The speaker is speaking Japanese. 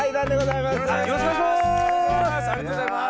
よろしくお願いします！